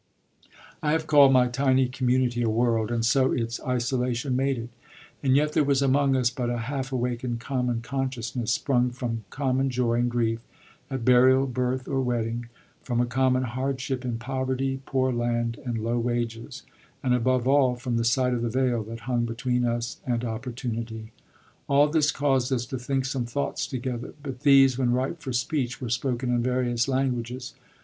I have called my tiny community a world, and so its isolation made it; and yet there was among us but a half awakened common consciousness, sprung from common joy and grief, at burial, birth, or wedding; from a common hardship in poverty, poor land, and low wages; and above all, from the sight of the Veil that hung between us and Opportunity. All this caused us to think some thoughts together; but these, when ripe for speech, were spoken in various languages.